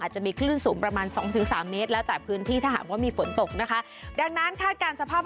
จะมีคลื่นสูงประมาณสองถึงสามเมตรแล้วแต่พื้นที่ถ้าหากว่ามีฝนตกนะคะดังนั้นคาดการณ์สภาพ